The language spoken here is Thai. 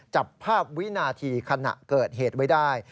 จับภาพวินาทีขณะเกิดเหตุไว้ได้